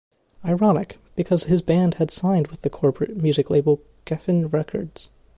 Ironic, because his band had signed with the corporate music label Geffen Records.